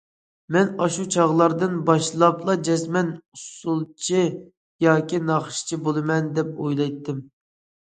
مەن ئاشۇ چاغلاردىن باشلاپلا جەزمەن ئۇسسۇلچى ياكى ناخشىچى بولىمەن، دەپ ئويلايتتىم.